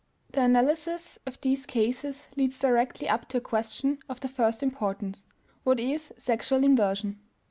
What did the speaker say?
The analysis of these cases leads directly up to a question of the first importance: What is sexual inversion?